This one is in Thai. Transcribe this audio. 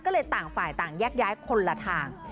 ก็เลยต่างฝ่ายต่างแยกย้ายคนละทาง